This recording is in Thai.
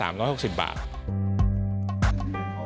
อีกหนึ่งพักที่นโยบายค่อนข้างฉีกแนว